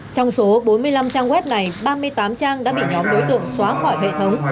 trong số bốn mươi năm trang web này ba mươi tám trang đã bị nhóm đối tượng xóa khỏi hệ thống